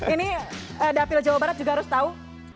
ini dapil jawa barat juga harus tahu